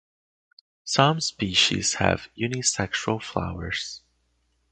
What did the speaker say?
Some species have unisexual flowers.